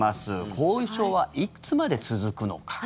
後遺症はいつまで続くのか。